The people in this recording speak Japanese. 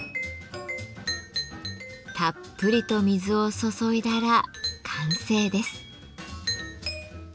たっぷりと水を注いだら完成です。